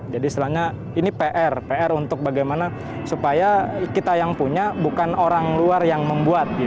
jadi ini pr untuk bagaimana supaya kita yang punya bukan orang luar yang membuat